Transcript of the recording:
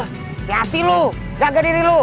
hati hati lu jaga diri lu